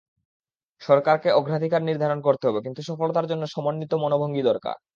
সরকারকে অগ্রাধিকার নির্ধারণ করতে হবে, কিন্তু সফলতার জন্য সমন্বিত মনোভঙ্গি দরকার।